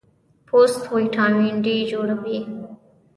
پوست وټامین ډي جوړوي.